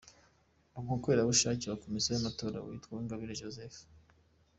n’umukorerabushake wa Komisiyo y’amatora witwa Uwingabire Joseph,.